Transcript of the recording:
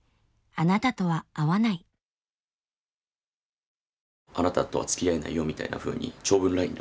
「あなたとはつきあえないよ」みたいなふうに長文ＬＩＮＥで送られてきて。